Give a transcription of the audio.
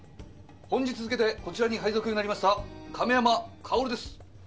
「本日付でこちらに配属になりました亀山薫です」